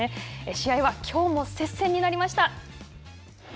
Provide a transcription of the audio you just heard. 試合はきょうも接戦になりました。